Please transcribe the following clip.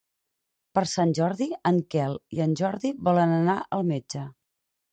Per Sant Jordi en Quel i en Jordi volen anar al metge.